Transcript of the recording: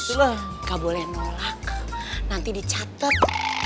sssh gak boleh nolak nanti dicatet